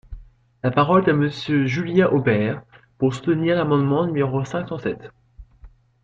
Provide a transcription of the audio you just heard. La parole est à Monsieur Julien Aubert, pour soutenir l’amendement numéro cinq cent sept.